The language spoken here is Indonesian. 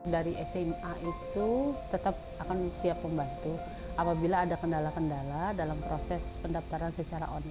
dari sma itu tetap akan siap membantu apabila ada kendala kendala dalam proses pendaftaran secara online